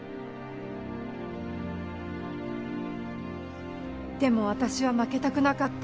でも私は負けたくなかった。